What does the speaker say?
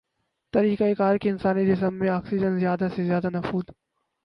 طریقہ کار کے انسانی جسم میں آکسیجن زیادہ سے زیادہ نفوذ